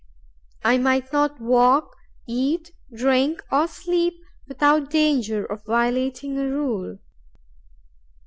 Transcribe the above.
I might not walk, eat, drink, or sleep without danger of violating a rule.